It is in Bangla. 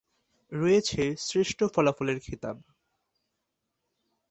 রয়েছে শ্রেষ্ঠ ফলাফলের খেতাব।